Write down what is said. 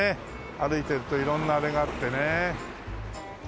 歩いていると色んなあれがあってね。